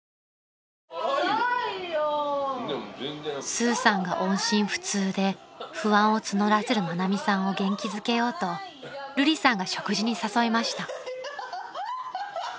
［スーさんが音信不通で不安を募らせる愛美さんを元気づけようとるりさんが食事に誘いました］